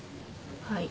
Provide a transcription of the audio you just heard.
はい。